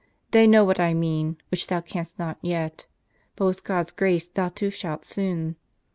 They know what I mean, which thou canst not yet; but with God's grace thou too shalt soon.